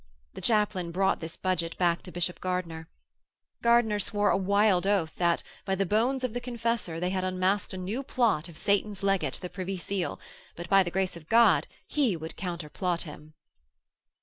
The chaplain brought this budget back to Bishop Gardiner. Gardiner swore a wild oath that, by the bones of the Confessor, they had unmasked a new plot of Satan's Legate, the Privy Seal. But, by the grace of God, he would counter plot him.